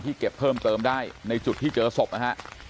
เก็บเพิ่มเติมได้ในจุดที่เจอศพนะฮะ